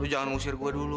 lo jangan ngusir gue dulu